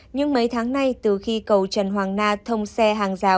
nhưng mấy tháng nay từ khi cầu trần hoàng na thông xe hàng rào